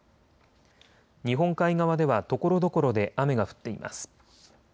日本海側ではところどころで雨が降っています。